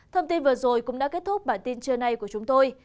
thông tin vừa rồi cũng đã kết thúc bản tin trưa nay của chúng tôi